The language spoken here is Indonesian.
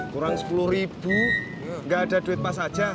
kurang sepuluh ribu nggak ada duit pas saja